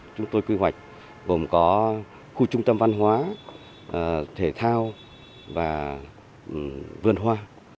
chúng tôi quy hoạch gồm có khu trung tâm văn hóa thể thao và vườn hoa